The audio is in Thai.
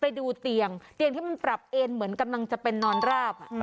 ไปดูเตียงเตียงที่มันปรับเอ็นเหมือนกำลังจะเป็นนอนราบ